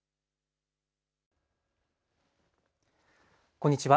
こんにちは。